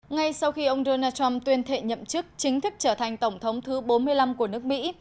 ngay sau khi ông donald trump tuyên thệ nhậm chức chính thức trở thành tổng thống thứ bốn mươi năm của nước mỹ